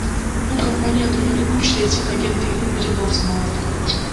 Бул компания дүйнөлүк үч рейтинг агенттигинин бири болуп саналат.